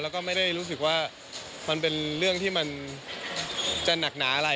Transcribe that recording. แล้วก็ไม่ได้รู้สึกว่ามันเป็นเรื่องที่มันจะหนักหนาอะไร